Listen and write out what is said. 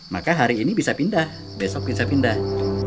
maka hari ini bisa pindah besok bisa pindah